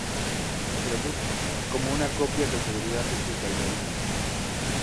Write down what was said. Productions" como una copia de seguridad de sus bailarines.